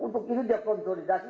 untuk ini dia konsolidasi